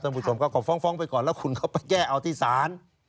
ผู้ชมก็ฟ้องไปก่อนแล้วคุณก็ไปแก้เอาที่ศาล